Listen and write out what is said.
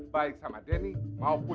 baik sama jenny maupun michael